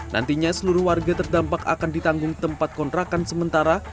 nantinya seluruh warga terdampak akan ditanggung tempat kontrakan sementara